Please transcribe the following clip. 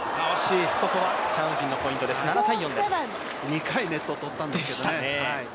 ２回ネット取ったんですけどね。